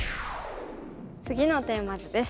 次のテーマ図です。